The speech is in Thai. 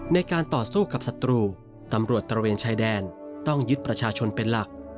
ในการต่อสู้กับศัตรูตำรวจตระเวนชายแดนต้องยึดประชาชนเป็นหลัก